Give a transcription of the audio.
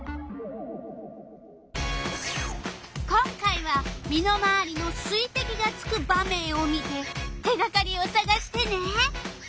今回は身のまわりの水てきがつく場面を見て手がかりをさがしてね！